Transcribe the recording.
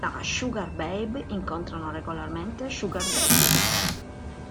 Le "sugar babe" incontrano regolarmente "sugar daddy".